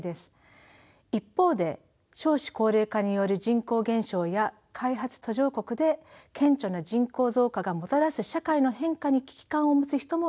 一方で少子高齢化による人口減少や開発途上国で顕著な人口増加がもたらす社会の変化に危機感を持つ人もいるでしょう。